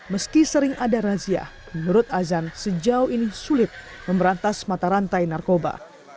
meski sering ada razia menurut azan sejauh ini sulit memberantas mata rantai narkoba